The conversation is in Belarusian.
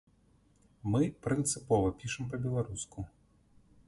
Мы прынцыпова пішам па-беларуску.